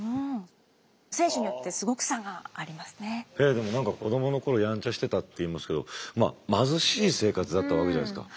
でも何か子どもの頃ヤンチャしてたっていいますけどまあ貧しい生活だったわけじゃないですか。